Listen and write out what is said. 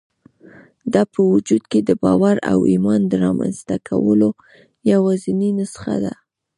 دا په وجود کې د باور او ايمان د رامنځته کولو يوازېنۍ نسخه ده.